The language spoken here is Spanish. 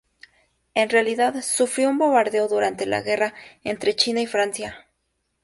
En realidad sufrió un bombardeo durante la Guerra entre China y Francia.